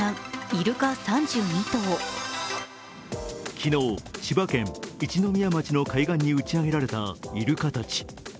昨日、千葉県一宮町の海岸に打ち上げられたイルカたち。